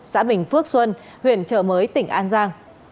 xã bình phước xuân huyện chợ mới tỉnh an giang